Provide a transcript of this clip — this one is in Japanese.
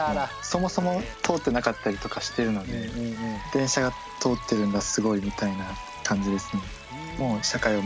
そもそも通ってなかったりとかしてるので電車が通ってるんだすごいみたいな感じですね。